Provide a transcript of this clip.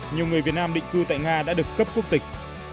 nhiều người việt nam định cư tại nga đã được cấp quốc tịch